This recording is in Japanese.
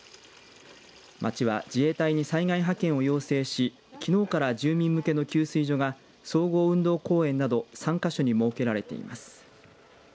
町は、自衛隊に災害派遣を要請しきのうから住民向けの給水所が総合運動公園など３か所に設けられています。